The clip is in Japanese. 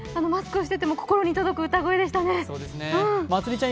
マスクをしてても心に届く歌声でしたね。